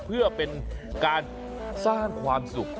เพื่อเป็นการสร้างความสุข